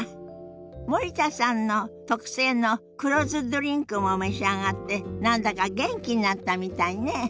森田さんの特製の黒酢ドリンクも召し上がって何だか元気になったみたいね。